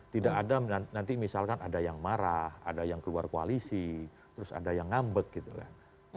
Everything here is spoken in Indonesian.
tidak ada nanti misalkan ada yang marah ada yang keluar koalisi terus ada yang ngambek gitu kan